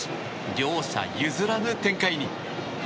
両者譲らぬ展開に。